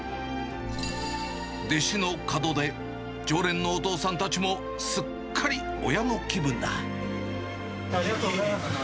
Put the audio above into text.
弟子の門出、常連のお父さんありがとうございます。